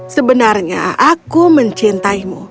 sebenarnya aku mencintaimu